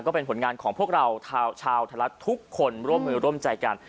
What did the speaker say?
ก็เป็นผลงานของพวกเราชาวบุญธรรมนั้นทุกคนร่วมใจกัน